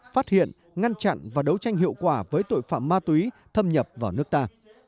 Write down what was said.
phát hiện ngăn chặn và đấu tranh hiệu quả với tội phạm ma túy thâm nhập vào nước ta